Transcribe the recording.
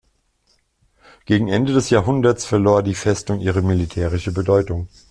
Gegen Ende des Jahrhunderts verlor die Festung ihre militärische Bedeutung.